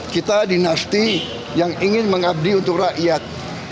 kita dinasti yang ingin mengabdi untuk rakyat